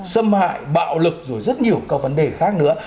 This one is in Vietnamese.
xâm hại bạo lực rồi rất nhiều các vấn đề khác nữa